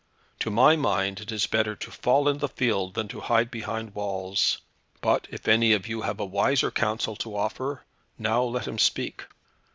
To my mind it is better to fall in the field than to hide behind walls; but if any of you have a wiser counsel to offer, now let him speak."